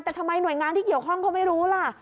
แต่ทำไมหน่วยงานที่เกี่ยวข้องเขาไม่รู้ล่ะ